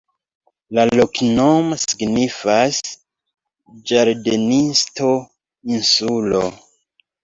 La loknomo signifas: ĝardenisto-insulo.